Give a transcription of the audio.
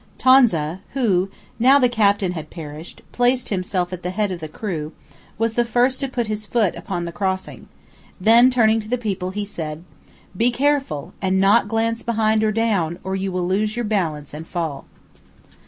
Tonza who, now the captain had perished, placed himself at the head of the crew was the first to put his foot upon the crossing; then, turning to the people, he said: "Be careful, and not glance behind or down, or you will lose your balance and fall."